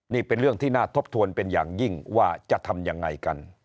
นี่เป็นเรื่องที่น่าทบทวนเป็นอย่างยิ่งว่าจะทำยังไงกัน